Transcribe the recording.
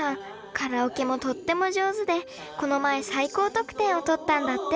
カラオケもとっても上手でこの前最高得点を取ったんだって。